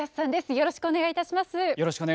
よろしくお願いします。